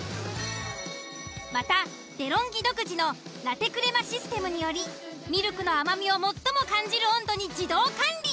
また「デロンギ」独自のラテクレマシステムによりミルクの甘みを最も感じる温度に自動管理。